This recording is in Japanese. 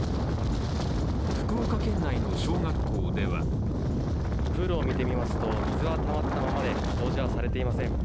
福岡県内の小学校ではプールを見てみますと、水がたまったままで掃除はされていません。